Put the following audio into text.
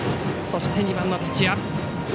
そして２番、土屋。